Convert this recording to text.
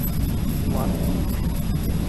One, two, three.